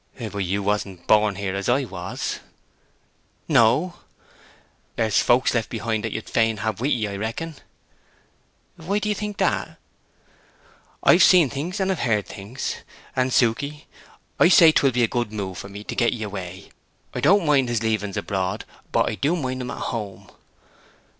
"But you wasn't born here as I was." "No." "There's folk left behind that you'd fain have with 'ee, I reckon?" "Why do you think that?" "I've seen things and I've heard things; and, Suke, I say 'twill be a good move for me to get 'ee away. I don't mind his leavings abroad, but I do mind 'em at home."